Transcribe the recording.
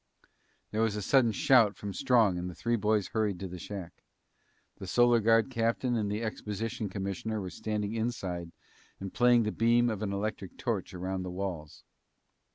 There was a sudden shout from Strong and the three boys hurried to the shack. The Solar Guard captain and the exposition commissioner were standing inside and playing the beam of an electric torch around the walls.